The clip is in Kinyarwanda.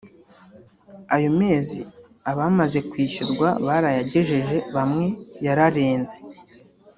ayo mezi abamaze kwishyurwa barayagejeje bamwe yararenze